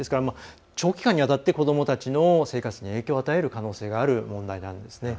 長期間にわたって子どもたちの生活に影響を与える可能性がある問題なんですね。